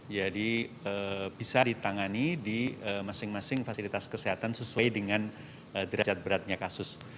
jadi bisa ditangani di masing masing fasilitas kesehatan sesuai dengan derajat beratnya kasus